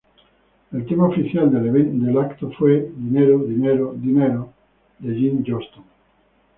El tema oficial del evento fue ""Money Money Money"" de Jim Johnston.